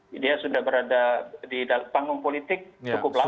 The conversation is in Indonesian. pak ganjar sudah berada di panggung politik cukup lama